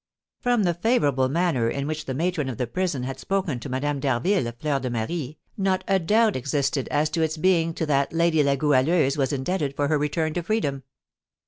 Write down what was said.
From the favourable manner in which the matron of the prison had spoken to Madame d'Harville of Fleur de Marie, not a doubt existed as to its being to that lady La Goualeuse was indebted for her return to freedom.